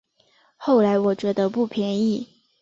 后来我觉得不便宜